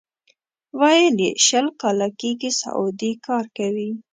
ویل یې شل کاله کېږي سعودي کار کوي.